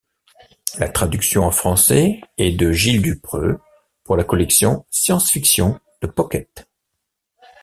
La traduction en français est de Giles Dupreux pour la collection Science-fiction de Pocket.